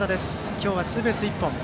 今日はツーベース１本。